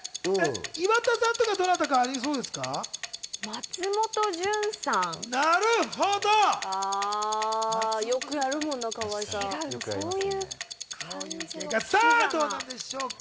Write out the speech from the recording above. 岩田さんとか、どなたかありそうですか？